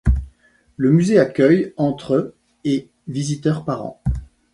Le musée accueille entre et visiteurs par an.